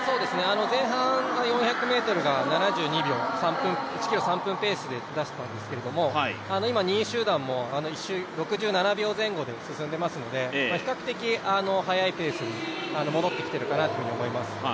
前半４００ｍ、１ｋｍ３分ペースを出したんですけど、今、２位集団も１周６７秒前後で進んでますので比較的速いペースに戻ってきているかなと思います。